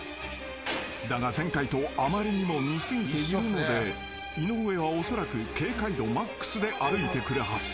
［だが前回とあまりにも似過ぎているので井上はおそらく警戒度マックスで歩いてくるはず］